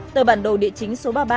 tờ bản đồ địa chính số ba mươi ba